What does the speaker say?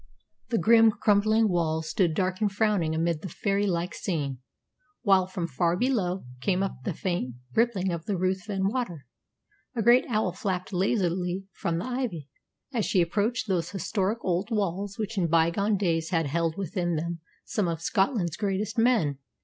The grim, crumbling walls stood dark and frowning amid the fairy like scene, while from far below came up the faint rippling of the Ruthven Water. A great owl flapped lazily from the ivy as she approached those historic old walls which in bygone days had held within them some of Scotland's greatest men.